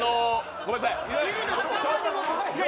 ごめんなさい。